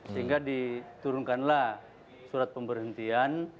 sehingga diturunkanlah surat pemberhentian